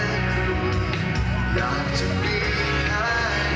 อีกเพลงหนึ่งครับนี้ให้สนสารเฉพาะเลย